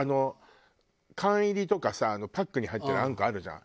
缶入りとかさパックに入ってるあんこあるじゃん？